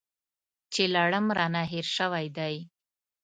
چې لړم رانه هېر شوی دی .